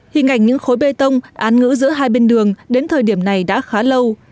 hình ảnh những khối bê tông án ngữ giữa hai bên đường đến thời điểm này đã khá lâu